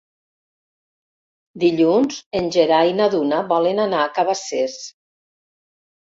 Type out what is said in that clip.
Dilluns en Gerard i na Duna volen anar a Cabacés.